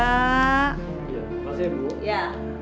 kami ingin kerja dengan bu gita